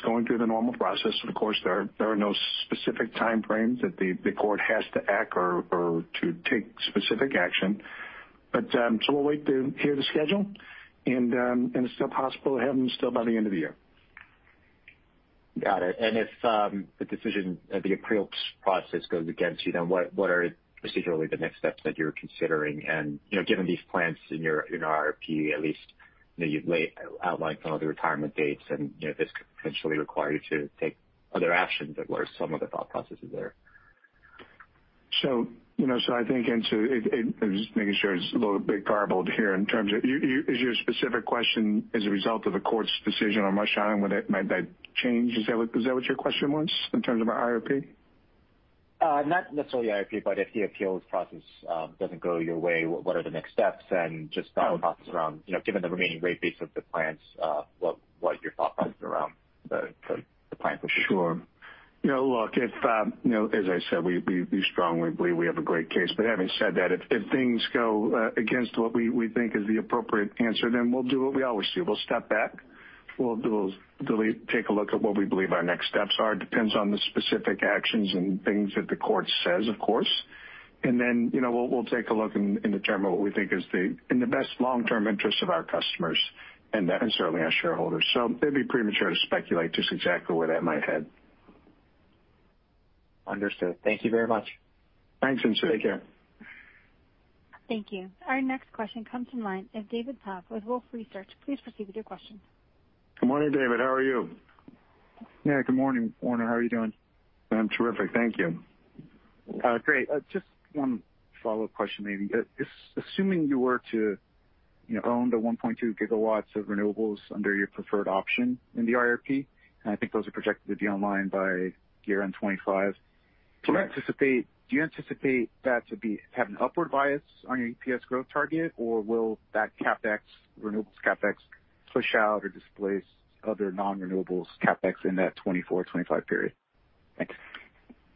going through the normal process. Of course, there are no specific time frames that the court has to act or to take specific action. We'll wait to hear the schedule and it's still possible to have them still by the end of the year. Got it. If the decision of the appeals process goes against you, then what are procedurally the next steps that you're considering? Given these plans in your IRP, at least you've outlined some of the retirement dates and this could potentially require you to take other actions. What are some of the thought processes there? I think, Insoo, I'm just making sure it's a little bit garbled here in terms of, is your specific question as a result of the court's decision on Rush Island, would it might that change? Is that what your question was in terms of our IRP? Not necessarily IRP, but if the appeals process doesn't go your way, what are the next steps? Just thought process around given the remaining rate base of the plants, what your thought process around the plan for sure? Sure. Look, as I said, we strongly believe we have a great case. Having said that, if things go against what we think is the appropriate answer, we'll do what we always do. We'll step back. We'll take a look at what we believe our next steps are. It depends on the specific actions and things that the court says, of course. We'll take a look and determine what we think is in the best long-term interest of our customers and certainly our shareholders. It'd be premature to speculate just exactly where that might head. Understood. Thank you very much. Thanks, Insoo. Take care. Thank you. Our next question comes from line of David Taff with Wolfe Research. Please proceed with your question. Good morning, David. How are you? Yeah, good morning, Warner. How are you doing? I'm terrific, thank you. Great. Just one follow-up question, maybe. Assuming you were to own the 1.2 gigawatts of renewables under your preferred option in the IRP, and I think those are projected to be online by year-end 2025. Correct. Do you anticipate that to have an upward bias on your EPS growth target, or will that renewables CapEx push out or displace other non-renewables CapEx in that 2024, 2025 period? Thanks.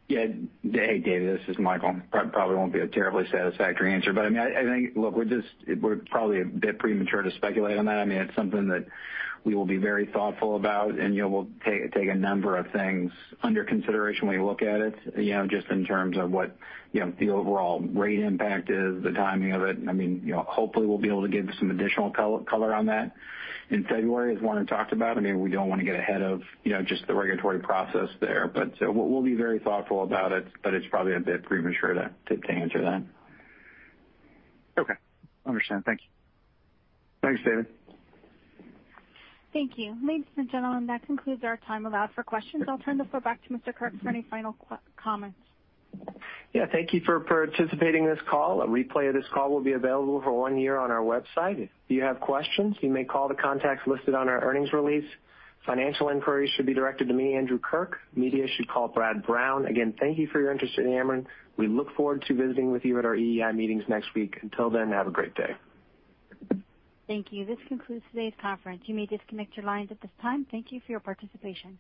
Yeah. Hey, David, this is Michael. Probably won't be a terribly satisfactory answer, but I think, look, we're probably a bit premature to speculate on that. It's something that we will be very thoughtful about, and we'll take a number of things under consideration when we look at it, just in terms of what the overall rate impact is, the timing of it. Hopefully we'll be able to give some additional color on that in February, as Warner talked about. We don't want to get ahead of just the regulatory process there. We'll be very thoughtful about it, but it's probably a bit premature to answer that. Okay. Understand. Thank you. Thanks, David. Thank you. Ladies and gentlemen, that concludes our time allowed for questions. I'll turn the floor back to Mr. Kirk for any final comments. Yeah. Thank you for participating in this call. A replay of this call will be available for one year on our website. If you have questions, you may call the contacts listed on our earnings release. Financial inquiries should be directed to me, Andrew Kirk. Media should call Brad Brown. Again, thank you for your interest in Ameren. We look forward to visiting with you at our EEI meetings next week. Until then, have a great day. Thank you. This concludes today's conference. You may disconnect your lines at this time. Thank you for your participation.